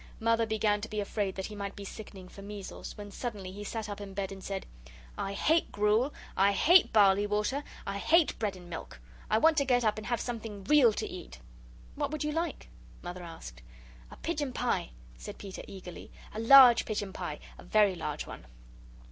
Mother began to be afraid that he might be sickening for measles, when suddenly he sat up in bed and said: "I hate gruel I hate barley water I hate bread and milk. I want to get up and have something REAL to eat." "What would you like?" Mother asked. "A pigeon pie," said Peter, eagerly, "a large pigeon pie. A very large one."